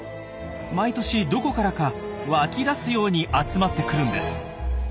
毎年どこからか湧き出すように集まってくるんです。